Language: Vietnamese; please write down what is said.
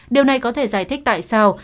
điều này có thể giải thích tại sao